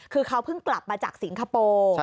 คือเขาเพิ่งกลับมาจากสิงคโปร์